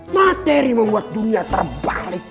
materi membuat dunia terbalik